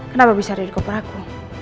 kenapa bisa ada di koper aku